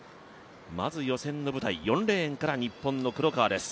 まず予選の舞台、４レーンから日本の黒川です。